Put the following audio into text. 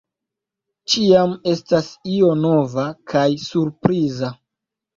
Ĉiam estas io nova kaj surpriza.